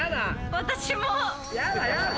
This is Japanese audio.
私も。